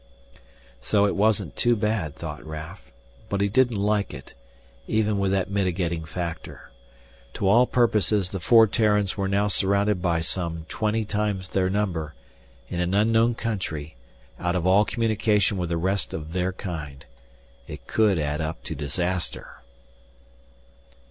So it wasn't too bad, thought Raf. But he didn't like it, even with that mitigating factor. To all purposes the four Terrans were now surrounded by some twenty times their number, in an unknown country, out of all communication with the rest of their kind. It could add up to disaster.